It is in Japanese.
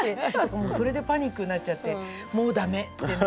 それでパニックになっちゃってもう駄目！って。